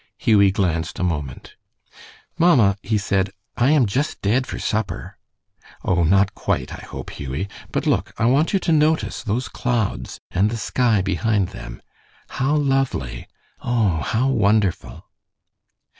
Hughie glanced a moment. "Mamma," he said, "I am just dead for supper." "Oh, not quite, I hope, Hughie. But look, I want you to notice those clouds and the sky behind them. How lovely! Oh, how wonderful!"